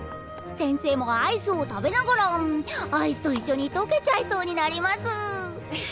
先生もアイスを食べながらアイスと一緒にとけちゃいそうになります！